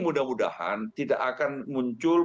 mudah mudahan tidak akan muncul